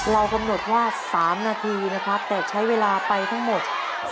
เรากำหนดว่า๓นาทีนะครับแต่ใช้เวลาไปทั้งหมด